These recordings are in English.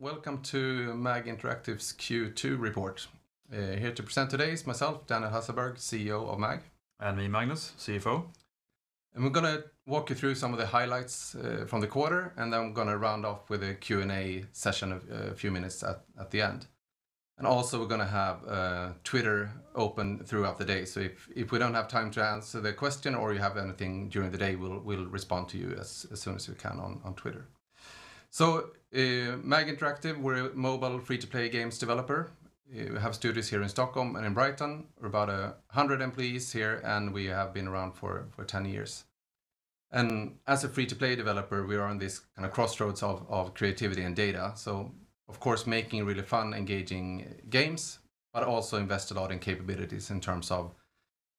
Welcome to MAG Interactive's Q2 report. Here to present today is myself, Daniel Hasselberg, CEO of MAG. Me, Magnus, CFO. We're going to walk you through some of the highlights from the quarter, then we're going to round off with a Q&A session of a few minutes at the end. Also we're going to have Twitter open throughout the day, so if we don't have time to answer the question or you have anything during the day, we'll respond to you as soon as we can on Twitter. MAG Interactive, we're a mobile free-to-play games developer. We have studios here in Stockholm and in Brighton. We're about 100 employees here, and we have been around for 10 years. As a free-to-play developer, we are on this crossroads of creativity and data. Of course, making really fun, engaging games, but also invest a lot in capabilities in terms of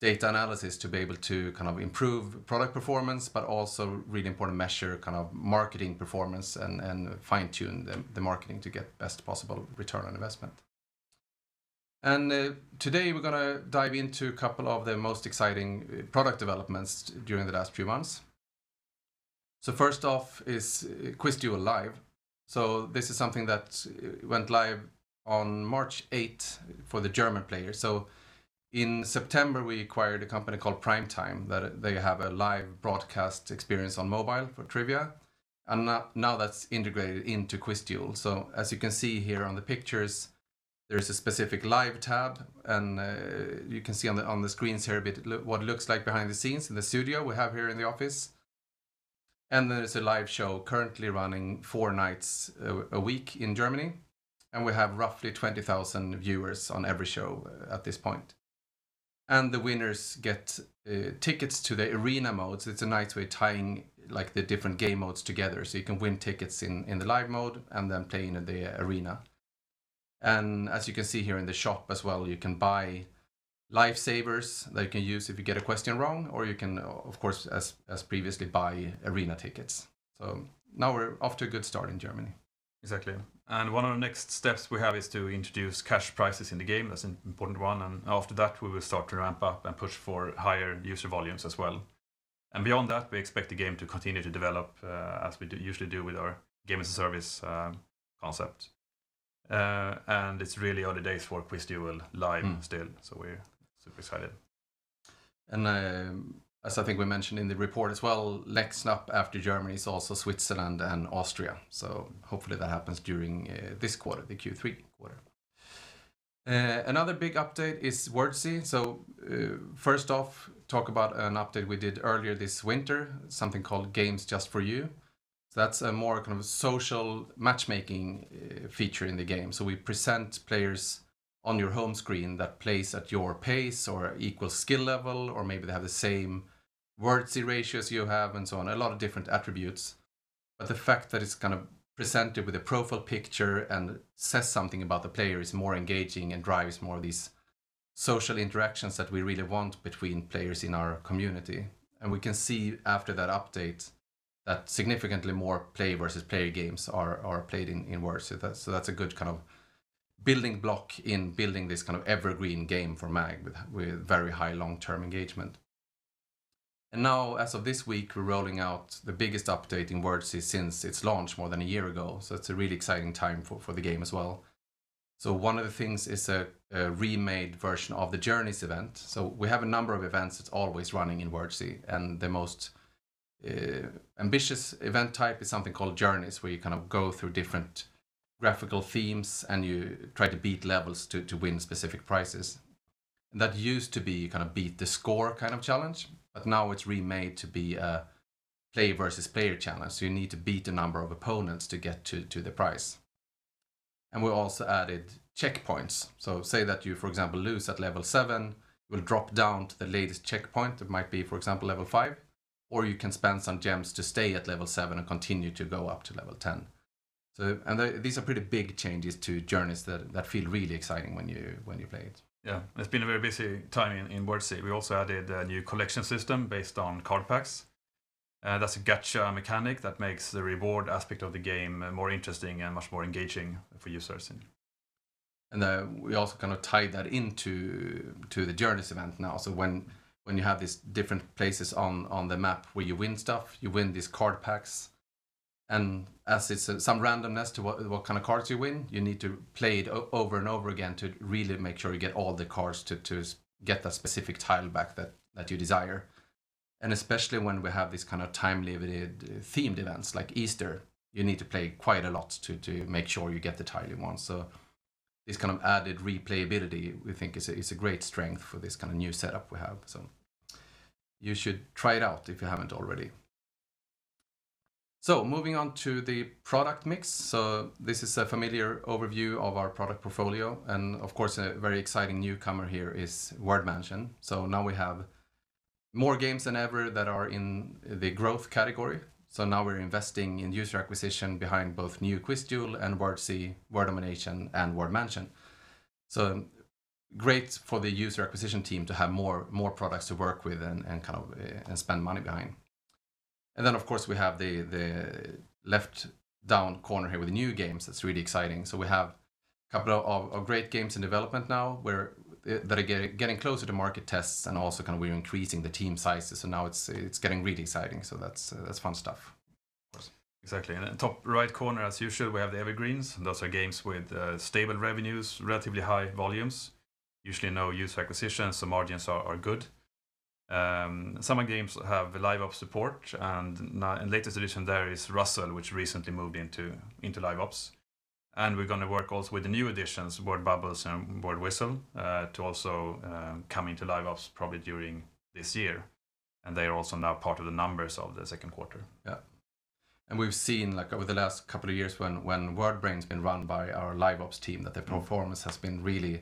data analysis to be able to improve product performance. Also, really important, measure marketing performance and fine-tune the marketing to get best possible return on investment. Today we're going to dive into a couple of the most exciting product developments during the last few months. First off is QuizDuel Live. This is something that went live on March 8th for the German players. In September, we acquired a company called Primetime, that they have a live broadcast experience on mobile for trivia, and now that's integrated into QuizDuel. As you can see here on the pictures, there's a specific live tab, and you can see on the screens here a bit what it looks like behind the scenes in the studio we have here in the office. There's a live show currently running four nights a week in Germany, and we have roughly 20,000 viewers on every show at this point. The winners get tickets to the arena mode, so it's a nice way of tying the different game modes together. You can win tickets in the live mode and then play in the arena. As you can see here in the shop as well, you can buy lifesavers that you can use if you get a question wrong, or you can of course, as previously, buy arena tickets. Now we're off to a good start in Germany. Exactly. One of the next steps we have is to introduce cash prizes in the game. That's an important one, and after that, we will start to ramp up and push for higher user volumes as well. Beyond that, we expect the game to continue to develop as we usually do with our game as a service concept. It's really early days for QuizDuel Live still, so we're super excited. As I think we mentioned in the report as well, next up after Germany is also Switzerland and Austria. Hopefully that happens during this quarter, the Q3 quarter. Another big update is Wordzee. First off, talk about an update we did earlier this winter, something called Games Just for You. That's a more social matchmaking feature in the game. We present players on your home screen that plays at your pace or equal skill level, or maybe they have the same Wordzee ratios you have, and so on. A lot of different attributes. The fact that it's presented with a profile picture and says something about the player is more engaging and drives more of these social interactions that we really want between players in our community. We can see after that update that significantly more player versus player games are played in Wordzee. That's a good building block in building this evergreen game for MAG with very high long-term engagement. Now as of this week, we're rolling out the biggest update in Wordzee since its launch more than a year ago. It's a really exciting time for the game as well. One of the things is a remade version of the Journeys event. We have a number of events that's always running in Wordzee, and the most ambitious event type is something called Journeys, where you go through different graphical themes and you try to beat levels to win specific prizes. That used to be beat the score kind of challenge, but now it's remade to be a player versus player challenge. You need to beat a number of opponents to get to the prize. We also added checkpoints. Say that you, for example, lose at level 7, you will drop down to the latest checkpoint. That might be, for example, level 5, or you can spend some gems to stay at level 7 and continue to go up to level 10. These are pretty big changes to Journeys that feel really exciting when you play it. It's been a very busy time in Wordzee. We also added a new collection system based on card packs. That's a gacha mechanic that makes the reward aspect of the game more interesting and much more engaging for users. We also tied that into the Journeys event now. When you have these different places on the map where you win stuff, you win these card packs, and as it's some randomness to what kind of cards you win, you need to play it over and over again to really make sure you get all the cards to get that specific tile back that you desire. Especially when we have these time-limited themed events like Easter, you need to play quite a lot to make sure you get the tile you want. This kind of added replayability, we think is a great strength for this new setup we have. You should try it out if you haven't already. Moving on to the product mix. This is a familiar overview of our product portfolio, and of course, a very exciting newcomer here is Word Mansion. Now we have more games than ever that are in the growth category. Now we're investing in user acquisition behind both New QuizDuel and Wordzee, Word Domination, and Word Mansion. Great for the user acquisition team to have more products to work with and spend money behind. Of course, we have the left down corner here with the new games that's really exciting. We have a couple of great games in development now that are getting closer to market tests and also we're increasing the team sizes, so now it's getting really exciting. That's fun stuff. Of course. Exactly. Then top right corner, as usual, we have the evergreens. Those are games with stable revenues, relatively high volumes. Usually no user acquisition, so margins are good. Some games have live ops support, and latest addition there is Ruzzle, which recently moved into live ops. We're going to work also with the new additions, WordBubbles and WordWhizzle, to also come into live ops probably during this year. They are also now part of the numbers of the Q2. Yeah. We've seen over the last couple of years when WordBrain's been run by our live ops team, that their performance has been really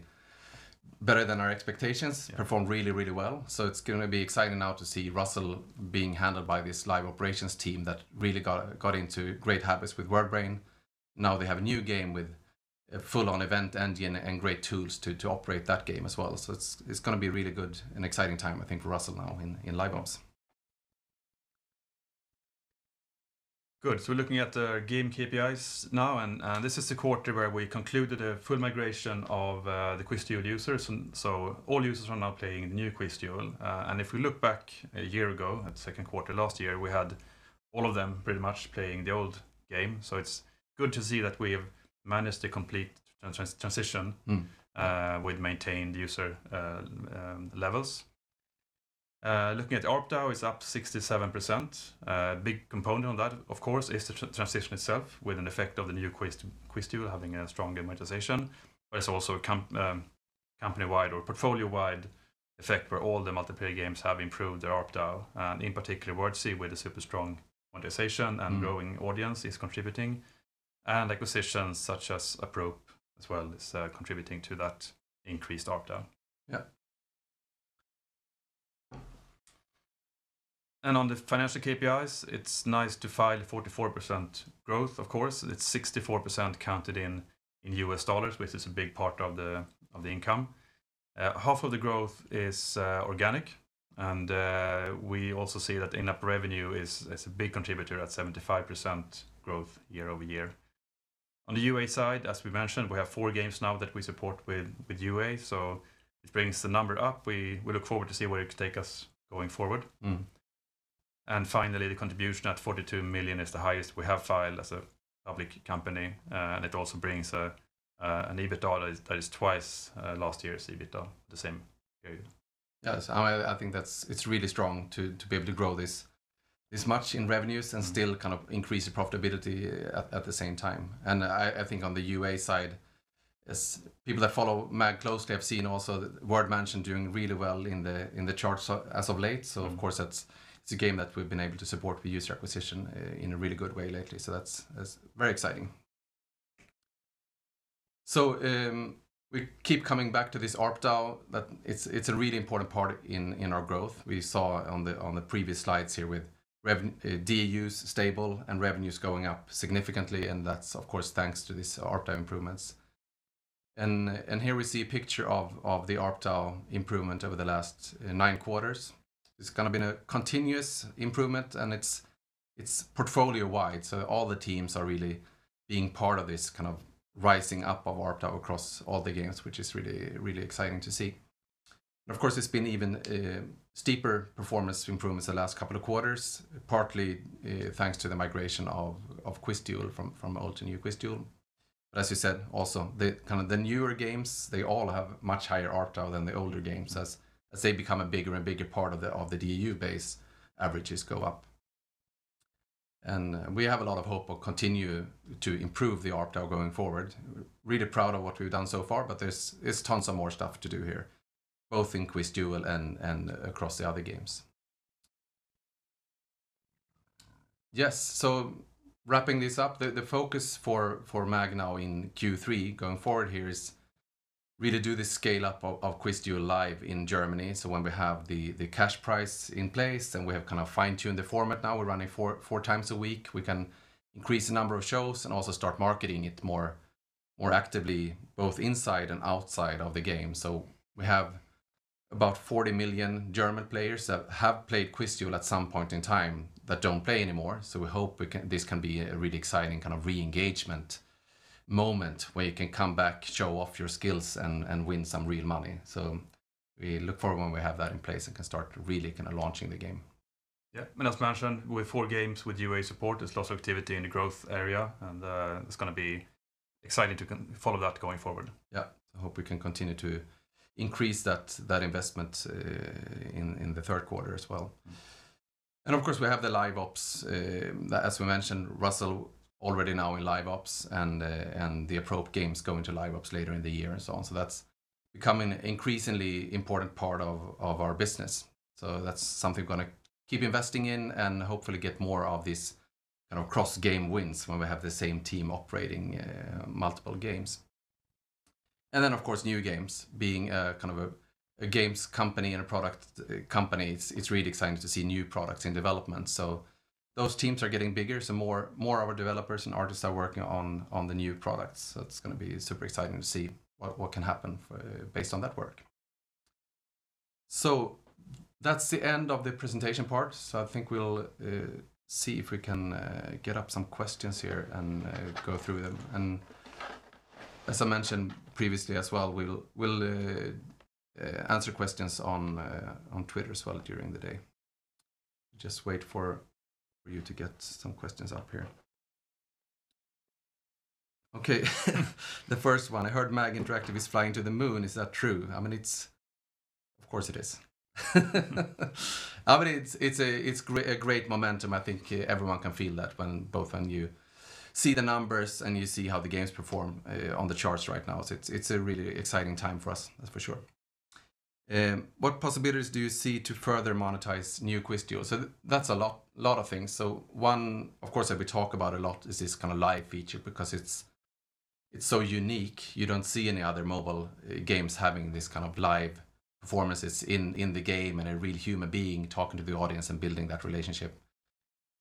better than our expectations. Yeah. Performed really, really well. It's going to be exciting now to see Ruzzle being handled by this live operations team that really got into great habits with WordBrain. Now they have a new game with a full-on event engine and great tools to operate that game as well. It's going to be a really good and exciting time, I think, for Ruzzle now in live ops. Good. We're looking at the game KPIs now, and this is the quarter where we concluded a full migration of the QuizDuel users. All users are now playing the New QuizDuel. If we look back a year ago, at the Q2 last year, we had all of them pretty much playing the old game. It's good to see that we have managed a complete transition. with maintained user levels. Looking at ARPDAU, it's up 67%. A big component of that, of course, is the transition itself with an effect of the new QuizDuel having a strong monetization. It's also a company-wide or portfolio-wide effect where all the multiplayer games have improved their ARPDAU, and in particular Wordzee, with a super strong monetization and growing audience is contributing. Acquisitions such as Apprope as well is contributing to that increased ARPDAU. Yeah. On the financial KPIs, it's nice to file 44% growth, of course. It's 64% counted in U.S. dollars, which is a big part of the income. Half of the growth is organic, and we also see that in-app revenue is a big contributor at 75% growth year-over-year. On the UA side, as we mentioned, we have four games now that we support with UA. It brings the number up. We look forward to see where it could take us going forward. Finally, the contribution at 42 million is the highest we have filed as a public company. It also brings an EBITDA that is twice last year's EBITDA the same period. Yes. I think it's really strong to be able to grow this much in revenues and still increase the profitability at the same time. I think on the UA side, as people that follow MAG closely have seen also Word Mansion doing really well in the charts as of late. Of course, it's a game that we've been able to support for user acquisition in a really good way lately. That's very exciting. We keep coming back to this ARPDAU, but it's a really important part in our growth. We saw on the previous slides here with DAUs stable and revenues going up significantly, and that's, of course, thanks to these ARPDAU improvements. Here we see a picture of the ARPDAU improvement over the last nine quarters. It's been a continuous improvement, and it's portfolio-wide. All the teams are really being part of this rising up of ARPDAU across all the games, which is really exciting to see. Of course, it's been even steeper performance improvements the last couple of quarters, partly thanks to the migration of QuizDuel from old to New QuizDuel. As you said, also the newer games, they all have much higher ARPDAU than the older games. As they become a bigger and bigger part of the DAU base, averages go up. We have a lot of hope we'll continue to improve the ARPDAU going forward. Really proud of what we've done so far, but there's tons of more stuff to do here, both in QuizDuel and across the other games. Yes, wrapping this up, the focus for MAG now in Q3 going forward here is really do the scale-up of QuizDuel Live in Germany. When we have the cash prize in place, and we have fine-tuned the format now we're running four times a week, we can increase the number of shows and also start marketing it more actively, both inside and outside of the game. We have about 40 million German players that have played QuizDuel at some point in time that don't play anymore. We hope this can be a really exciting kind of re-engagement moment where you can come back, show off your skills, and win some real money. We look forward when we have that in place and can start really launching the game. As mentioned, with four games with UA support, there's lots of activity in the growth area, and it's going to be exciting to follow that going forward. Yeah. I hope we can continue to increase that investment in the Q3 as well. Of course, we have the live ops. As we mentioned, Ruzzle already now in live ops and the Apprope games going to live ops later in the year and so on. That's becoming increasingly important part of our business. That's something we're going to keep investing in and hopefully get more of these cross-game wins when we have the same team operating multiple games. Then, of course, new games. Being a games company and a product company, it's really exciting to see new products in development. Those teams are getting bigger, so more of our developers and artists are working on the new products. It's going to be super exciting to see what can happen based on that work. That's the end of the presentation part. I think we'll see if we can get up some questions here and go through them. As I mentioned previously as well, we'll answer questions on Twitter as well during the day. Just wait for you to get some questions up here. The first one, "I heard MAG Interactive is flying to the moon. Is that true?" Of course, it is. It's a great momentum. I think everyone can feel that both when you see the numbers and you see how the games perform on the charts right now. It's a really exciting time for us, that's for sure. "What possibilities do you see to further monetize New QuizDuel?" That's a lot of things. One, of course, that we talk about a lot is this live feature because it's so unique. You don't see any other mobile games having this kind of live performances in the game and a real human being talking to the audience and building that relationship.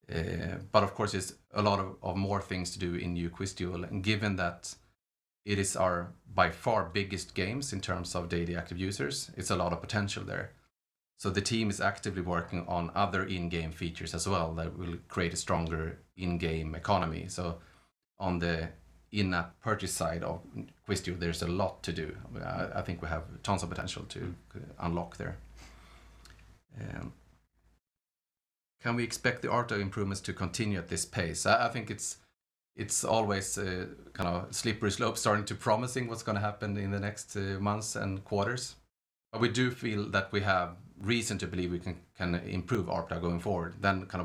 Of course, there's a lot of more things to do in New QuizDuel. Given that it is our, by far, biggest game in terms of daily active users, it's a lot of potential there. The team is actively working on other in-game features as well that will create a stronger in-game economy. On the in-app purchase side of QuizDuel, there's a lot to do. I think we have tons of potential to unlock there. "Can we expect the ARPDAU improvements to continue at this pace?" I think it's always a slippery slope starting to promise what's going to happen in the next months and quarters. We do feel that we have reason to believe we can improve ARPDAU going forward.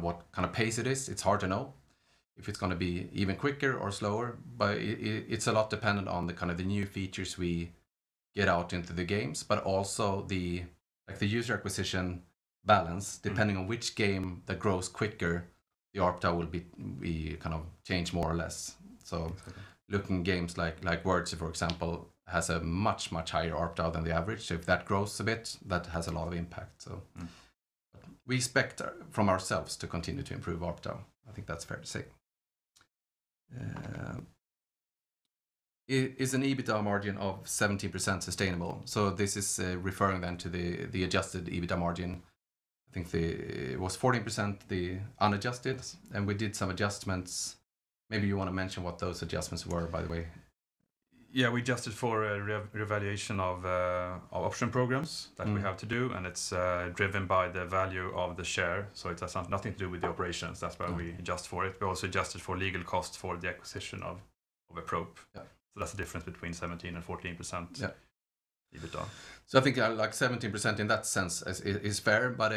What kind of pace it is, it's hard to know. If it's going to be even quicker or slower. It's a lot dependent on the new features we get out into the games, but also the user acquisition balance. Depending on which game that grows quicker, the ARPDAU will be changed more or less. Looking at games like Wordzee, for example, has a much, much higher ARPDAU than the average. If that grows a bit, that has a lot of impact. We expect from ourselves to continue to improve ARPDAU. I think that's fair to say. Is an EBITDA margin of 17% sustainable? This is referring then to the adjusted EBITDA margin. I think it was 14%, the unadjusted, and we did some adjustments. Maybe you want to mention what those adjustments were, by the way. Yeah. We adjusted for a revaluation of option programs that we have to do, and it's driven by the value of the share. It has nothing to do with the operations. That's why we adjust for it. We also adjusted for legal costs for the acquisition of Apprope. Yeah. That's the difference between 17% and 14%. Yeah EBITDA. I think 17% in that sense is fair, but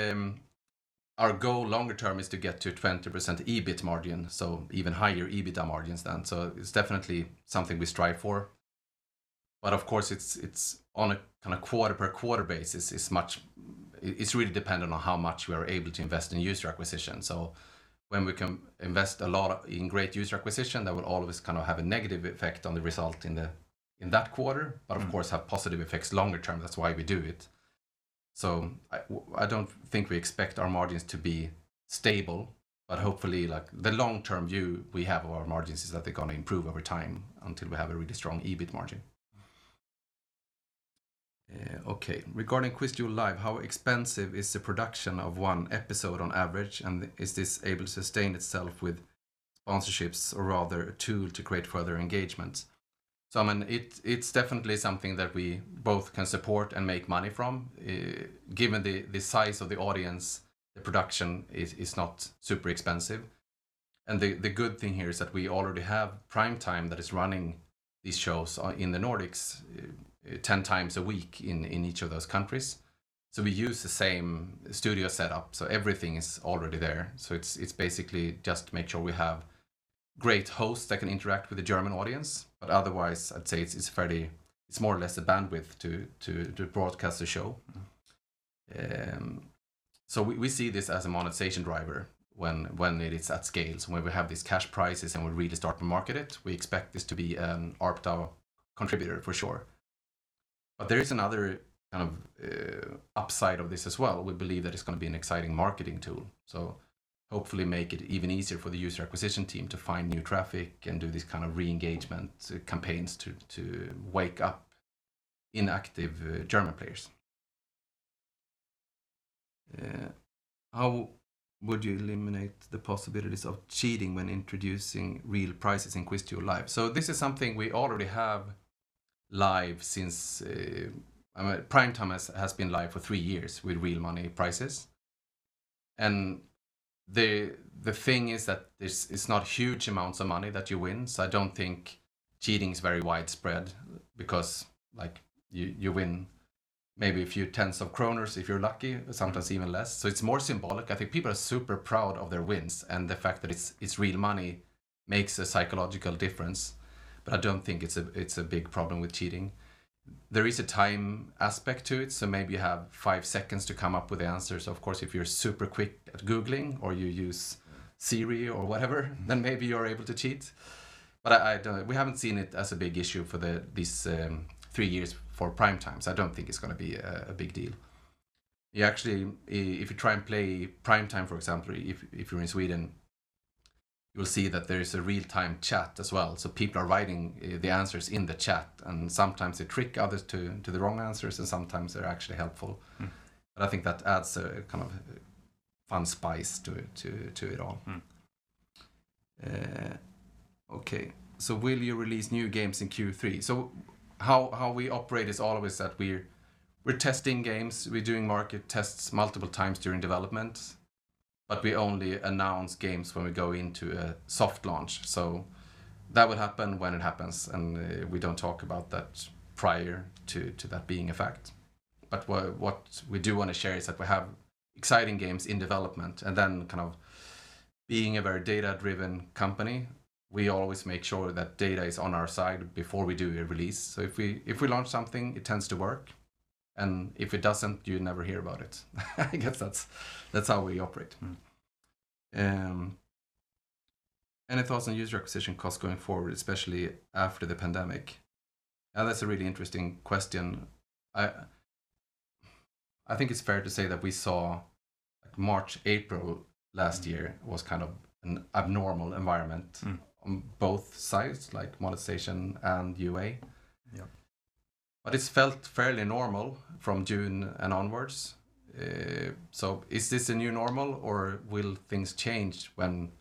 our goal longer term is to get to 20% EBIT margin, so even higher EBITDA margins then. It's definitely something we strive for. Of course, it's on a quarter-per-quarter basis. It's really dependent on how much we are able to invest in user acquisition. When we can invest a lot in great user acquisition, that will always have a negative effect on the result in that quarter, but of course have positive effects longer term. That's why we do it. I don't think we expect our margins to be stable, but hopefully the long-term view we have of our margins is that they're going to improve over time until we have a really strong EBIT margin. Okay. Regarding QuizDuel Live, how expensive is the production of one episode on average, and is this able to sustain itself with sponsorships or rather a tool to create further engagement? It's definitely something that we both can support and make money from. Given the size of the audience, the production is not super expensive, and the good thing here is that we already have Primetime that is running these shows in the Nordics 10 times a week in each of those countries. We use the same studio setup, so everything is already there. It's basically just make sure we have great hosts that can interact with the German audience. Otherwise, I'd say it's more or less the bandwidth to broadcast the show. We see this as a monetization driver when it is at scale. When we have these cash prizes and we really start to market it, we expect this to be an ARPDAU contributor for sure. There is another upside of this as well. We believe that it's going to be an exciting marketing tool. Hopefully make it even easier for the user acquisition team to find new traffic and do these kind of re-engagement campaigns to wake up inactive German players. "How would you eliminate the possibilities of cheating when introducing real prizes in QuizDuel Live?" This is something we already have live. Primetime has been live for three years with real money prizes. The thing is that it's not huge amounts of money that you win, so I don't think cheating is very widespread because you win maybe a few tens of SEK if you're lucky, sometimes even less. It's more symbolic. I think people are super proud of their wins, and the fact that it's real money makes a psychological difference. I don't think it's a big problem with cheating. There is a time aspect to it, maybe you have five seconds to come up with the answers. Of course, if you're super quick at Googling or you use Siri or whatever, then maybe you're able to cheat. We haven't seen it as a big issue for these three years for Primetime, I don't think it's going to be a big deal. Actually, if you try and play Primetime, for example, if you're in Sweden, you'll see that there is a real-time chat as well. People are writing the answers in the chat, and sometimes they trick others to the wrong answers, and sometimes they're actually helpful. I think that adds a kind of fun spice to it all. Okay. Will you release new games in Q3? How we operate is always that we're testing games, we're doing market tests multiple times during development, but we only announce games when we go into a soft launch. That will happen when it happens, and we don't talk about that prior to that being a fact. What we do want to share is that we have exciting games in development, and then being a very data-driven company, we always make sure that data is on our side before we do a release. If we launch something, it tends to work, and if it doesn't, you never hear about it. I guess that's how we operate. Any thoughts on user acquisition costs going forward, especially after the pandemic? That's a really interesting question. I think it's fair to say that we saw March, April last year was kind of an abnormal environment. on both sides, like monetization and UA. Yep. It's felt fairly normal from June and onwards. Is this a new normal or will things change when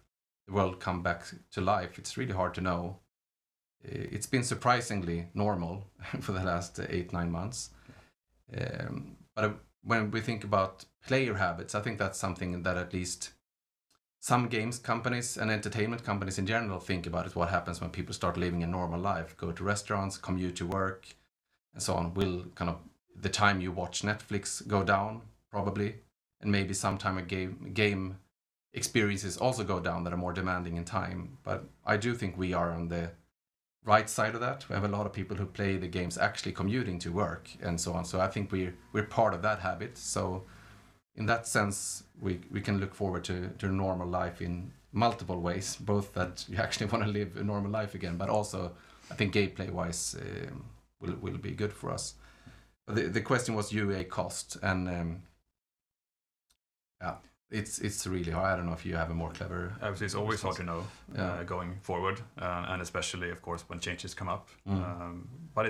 the world come back to life? It's really hard to know. It's been surprisingly normal for the last eight, nine months. When we think about player habits, I think that's something that at least some games companies and entertainment companies in general think about is what happens when people start living a normal life, go to restaurants, commute to work, and so on. Will the time you watch Netflix go down? Probably. Maybe sometime game experiences also go down that are more demanding in time. I do think we are on the right side of that. We have a lot of people who play the games actually commuting to work and so on. I think we're part of that habit. In that sense, we can look forward to normal life in multiple ways, both that you actually want to live a normal life again, but also I think gameplay-wise will be good for us. The question was UA cost, and it's really hard. I don't know if you have a more clever Obviously, it's always hard. Yeah going forward, and especially of course when changes come up. I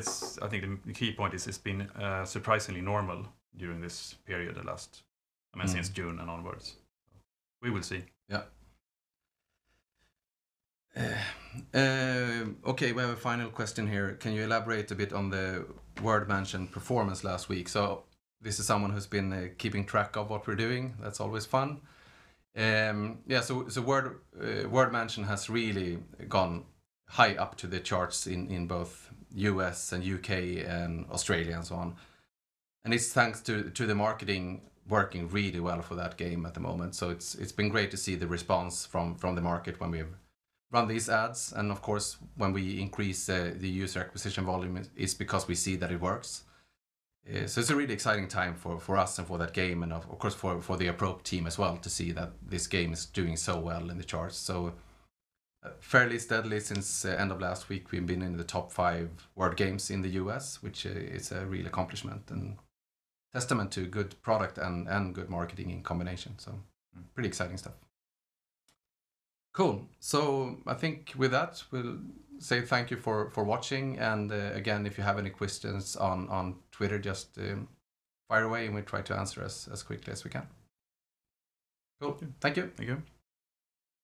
think the key point is it's been surprisingly normal during this period, the last, I mean, since June and onwards. We will see. Yeah. Okay, we have a final question here. Can you elaborate a bit on the Word Mansion performance last week? This is someone who's been keeping track of what we're doing. That's always fun. Yeah, so Word Mansion has really gone high up to the charts in both U.S. and U.K. and Australia and so on. It's thanks to the marketing working really well for that game at the moment. It's been great to see the response from the market when we run these ads. Of course, when we increase the user acquisition volume, it's because we see that it works. It's a really exciting time for us and for that game and of course for the Apprope team as well to see that this game is doing so well in the charts. Fairly steadily since end of last week, we've been in the top five word games in the U.S. which is a real accomplishment and testament to good product and good marketing in combination. Pretty exciting stuff. Cool. I think with that, we'll say thank you for watching. Again, if you have any questions on Twitter, just fire away and we'll try to answer as quickly as we can. Cool. Thank you. Thank you.